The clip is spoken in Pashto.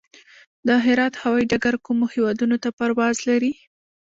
د هرات هوايي ډګر کومو هیوادونو ته پرواز لري؟